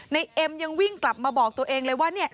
เอ็มยังวิ่งกลับมาบอกตัวเองเลยว่าเนี่ย